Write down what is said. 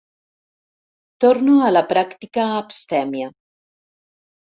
Torno a la pràctica abstèmia.